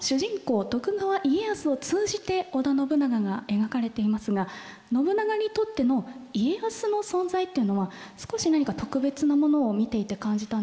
徳川家康を通じて織田信長が描かれていますが信長にとっての家康の存在っていうのは少し何か特別なものを見ていて感じたんですが。